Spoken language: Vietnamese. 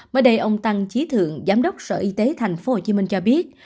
mới đây ông tăng trí thượng giám đốc sở y tế tp hcm cho biết